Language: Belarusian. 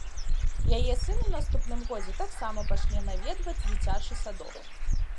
Яе сын у наступным годзе таксама пачне наведваць дзіцячы садок.